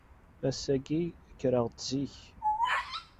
Ass-agi, kkreɣ-d zik.